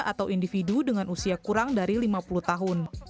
atau individu dengan usia kurang dari lima puluh tahun